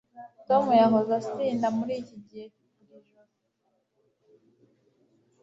tom yahoze asinda muri iki gihe buri joro